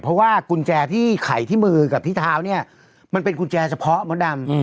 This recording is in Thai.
เพราะว่ากุญแจที่ไขที่มือกับที่เท้าเนี่ยมันเป็นกุญแจเฉพาะมดดำ